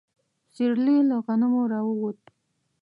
سيرلي له غنمو راووت.